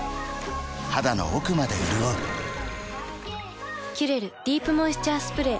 肌の奥まで潤う「キュレルディープモイスチャースプレー」